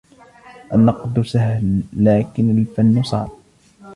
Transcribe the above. النقد سهل لكن الفن صعب